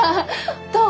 どう？